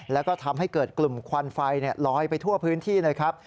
แล้วก็ทำให้เกิดกลุ่มควันไฟลอยไปทั่วพื้นที่เลยครับ